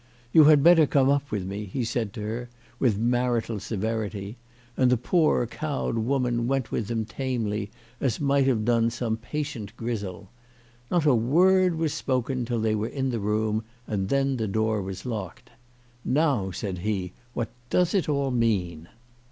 " You had better come up with me," he said to her with marital severity, and the poor cowed woman went with him tamely as might have done some patient Grizel. Not a word was spoken till they were in the room and the door was locked. " Now," said he, " what does it all mean